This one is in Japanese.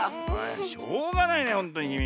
しょうがないねほんとにきみ。